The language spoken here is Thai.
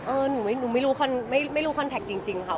เออหนูไม่รู้คอนแทคจริงค่ะ